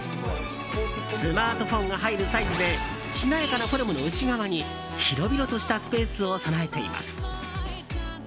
スマートフォンが入るサイズでしなやかなフォルムの内側に広々としたスペースを備えています。